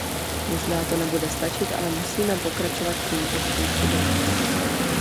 Možná to nebude stačit, ale musíme pokračovat tímto způsobem.